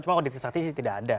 cuma kalau di tersekti sih tidak ada